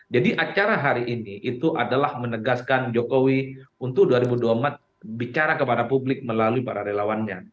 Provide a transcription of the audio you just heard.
jadi acara hari ini itu adalah menegaskan jokowi untuk dua ribu dua puluh empat bicara kepada publik melalui para relawannya